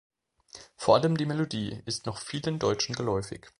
Vor allem die Melodie ist noch vielen Deutschen geläufig.